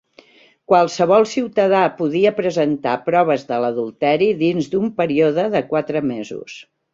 Qualsevol ciutadà podia presentar proves de l'adulteri dins d'un període de quatre mesos.